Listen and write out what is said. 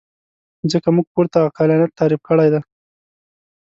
ځکه موږ پورته عقلانیت تعریف کړی دی.